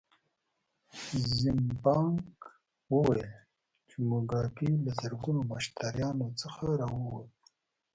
زیمبانک وویل چې موګابي له زرګونو مشتریانو څخه راووت.